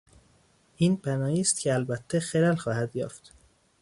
این بنائیست که البته خلل خواهد یافت